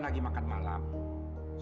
terima kasih mas